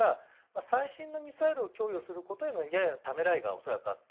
最新のミサイルを供与することのためらいがややあった。